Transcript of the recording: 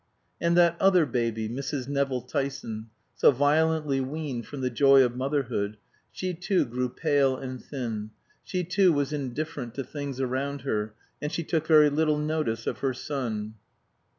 And that other baby, Mrs. Nevill Tyson, so violently weaned from the joy of motherhood, she too grew pale and thin; she too was indifferent to things around her, and she took very little notice of her son.